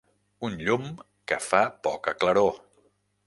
Un llum que fa poca claror.